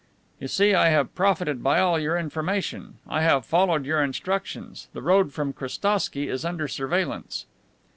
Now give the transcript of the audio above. "You see I have profited by all your information. I have followed your instructions. The road from the Krestowsky is under surveillance."